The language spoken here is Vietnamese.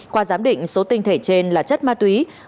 qua giám định số tinh thể trên là chất ma túy